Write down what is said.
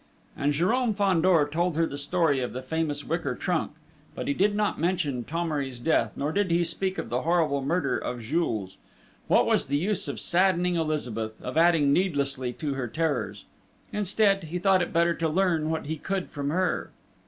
And Jérôme Fandor told her the story of the famous wicker trunk but he did not mention Thomery's death, nor did he speak of the horrible murder of Jules.... What was the use of saddening Elizabeth, of adding needlessly to her terrors? Instead, he thought it better to learn what he could from her.